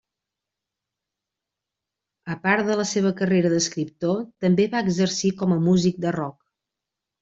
A part de la seva carrera d'escriptor, també va exercir com a músic de rock.